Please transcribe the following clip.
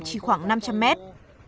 chỉ khoảng năm trăm linh mét